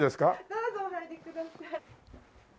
どうぞお入りください。